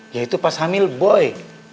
yaitu pas hamil boy